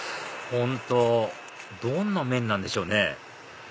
本当どんな麺なんでしょうね？